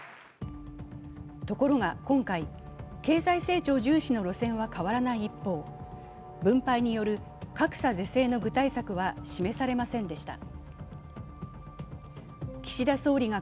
ところが今回、経済成長重視の路線は変わらない一方、分配による格差是正の具体策は示されませんでした。